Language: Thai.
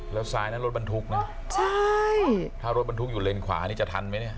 แล้วซ้ายนั้นรถบรรทุกนะใช่ถ้ารถบรรทุกอยู่เลนขวานี่จะทันไหมเนี่ย